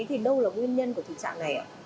thì đâu là nguyên nhân của tình trạng này ạ